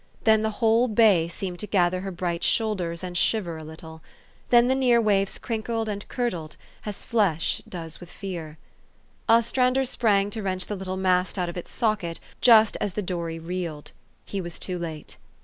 Then the whole bay seemed to gather her bright shoulders, and shiver a little. Then the near waves crinkled and curdled, as flesh does with fear. Ostrander sprang to wrench the little mast out of its socket just as the dory reeled. He was too late.